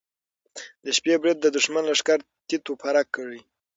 د شپې برید د دښمن لښکر تیت و پرک کړ.